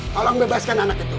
tolong bebaskan anak itu